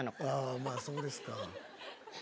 まあ、そうですか。